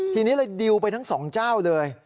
ทีนี้เลยดิวไปทั้งสองเจ้าเลย